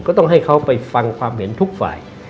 ก็ต้องให้เขาไปฟังความเห็นทุกฝ่าย